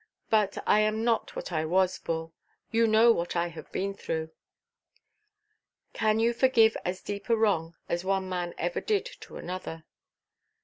But I am not what I was, Bull. You know what I have been through." "Can you forgive as deep a wrong as one man ever did to another?"